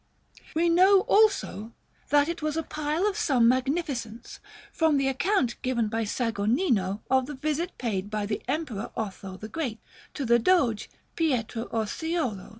We know, also, that it was a pile of some magnificence, from the account given by Sagornino of the visit paid by the Emperor Otho the Great, to the Doge Pietro Orseolo II.